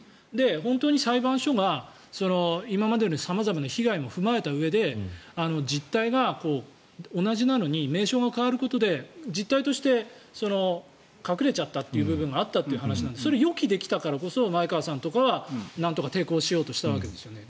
本当に裁判所が今までの様々な被害も踏まえたうえで実態が同じなのに名称が変わることで実態として、隠れちゃったという部分があったという話なのでそれは予期できたからこそ前川さんとかはなんとか抵抗しようとしたわけですよね。